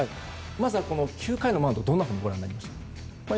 まずは９回のマウンドどうご覧になりましたか。